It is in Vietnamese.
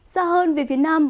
xa hơn về phía nam